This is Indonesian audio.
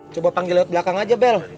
coba panggil lewat belakang aja bel